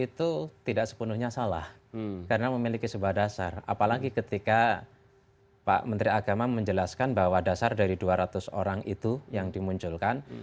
itu tidak sepenuhnya salah karena memiliki sebuah dasar apalagi ketika pak menteri agama menjelaskan bahwa dasar dari dua ratus orang itu yang dimunculkan